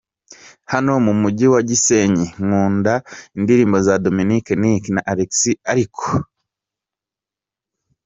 hano mu mujyi wa Gisenyi, nkunda indirimbo za Dominic Nic na Alexis ariko.